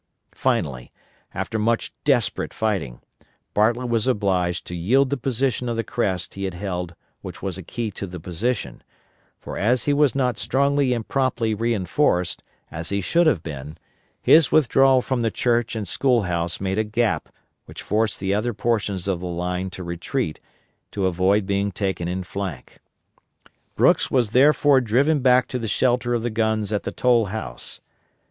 Finally, after much desperate fighting, Bartlett was obliged to yield the portion of the crest he had held which was a key to the position; for as he was not strongly and promptly reinforced, as he should have been, his withdrawal from the church and school house made a gap which forced the other portions of the line to retreat to avoid being taken in flank. Brooks was therefore driven back to the shelter of the guns at the Toll House.